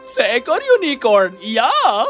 seekor unicorn ya